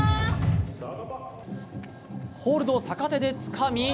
ホールドを逆手でつかみ。